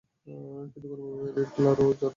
কিন্তু কোনোভাবে রিডলারও তা জেনে যায়।